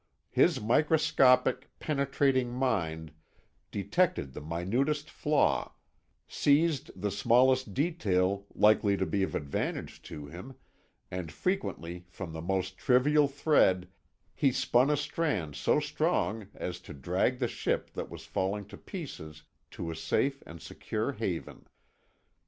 His microscopic, penetrating mind detected the minutest flaw, seized the smallest detail likely to be of advantage to him, and frequently from the most trivial thread he spun a strand so strong as to drag the ship that was falling to pieces to a safe and secure haven.